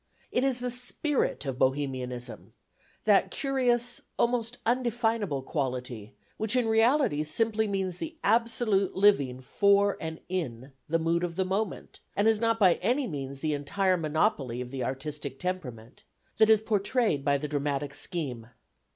It is the spirit of Bohemianism that curious almost undefinable quality, which in reality simply means the absolute living for, and in, the mood of the moment, and is not by any means the entire monopoly of the artistic temperament that is portrayed by the dramatic scheme.